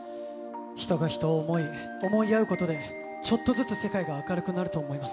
人が人を想い合うことで、ちょっとずつ世界が明るくなると思います。